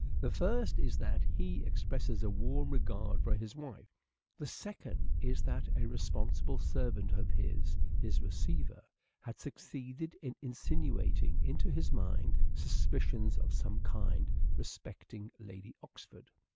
The first is that he expresses a warm regard for his wife. The second is that a responsible servant of his, his receiver, had succeeded in insinuating into his mind suspicions of some kind respecting Lady Oxford.